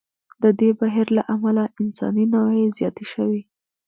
د دې بهیر له امله انساني نوعې زیاتې شوې.